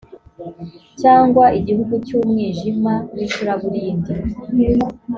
cyangwa igihugu cy umwijima w icuraburindi